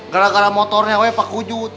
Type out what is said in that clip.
ya karena motornya weh pak wujud